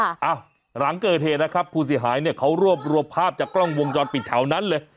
หลังเกิดเหตุนะครับผู้เสียหายเนี่ยเขารวบรวมภาพจากกล้องวงจรปิดแถวนั้นเลย